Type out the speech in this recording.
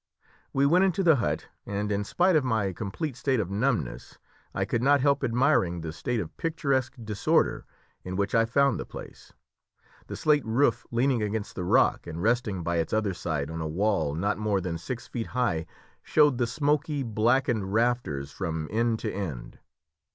We went into the hut, and in spite of my complete state of numbness, I could not help admiring the state of picturesque disorder in which I found the place. The slate roof leaning against the rock, and resting by its other side on a wall not more than six feet high, showed the smoky, blackened rafters from end to end.